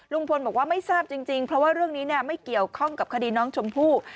ลุงพลบอกว่าไม่ทราบจริงเพราะว่าเรื่องนี้ไม่เกี่ยวข้องกับคดีน้องชมพู่